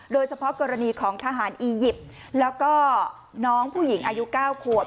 โดยเฉพาะกรณีของทหารอียิปต์แล้วก็น้องผู้หญิงอายุ๙ขวบ